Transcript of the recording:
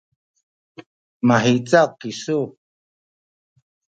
mahica kisu?